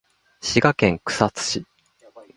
滋賀県草津市